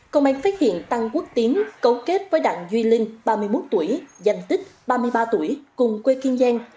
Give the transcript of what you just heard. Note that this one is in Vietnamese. công an phát hiện tăng quốc tiến cấu kết với đặng duy linh ba mươi một tuổi danh tích ba mươi ba tuổi cùng quê kiên giang